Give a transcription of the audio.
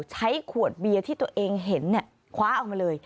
ใช้ขวดเบียร์ที่ตัวเองเห็นคว้าเอามาเลย